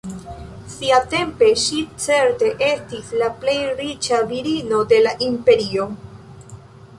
Siatempe ŝi certe estis la plej riĉa virino de la imperio.